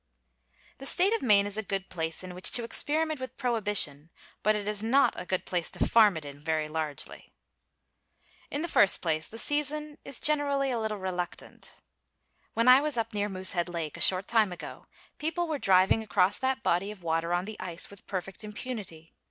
The State of Maine is a good place in which to experiment with prohibition, but it is not a good place to farm it in very largely. In the first place, the season is generally a little reluctant. When I was up near Moosehead Lake, a short time ago, people were driving across that body of water on the ice with perfect impunity.